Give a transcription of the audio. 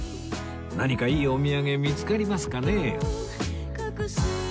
何かいいお土産見つかりますかね？